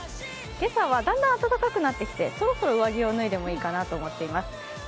今朝はだんだん暖かくなってきてそろそろ上着を脱いでいいかなと思っています。